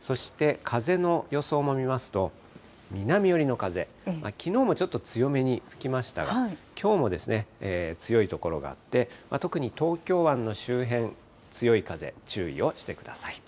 そして、風の予想も見ますと、南寄りの風、きのうもちょっと強めに吹きましたが、きょうも強い所があって、特に東京湾の周辺、強い風、注意をしてください。